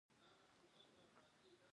دوست هغه دئ، چي ما ته ارزښت راکوي.